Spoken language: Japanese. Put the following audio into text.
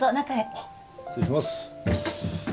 あっ失礼します。